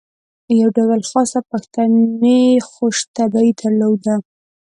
یو ډول خاصه پښتني خوش طبعي یې درلوده.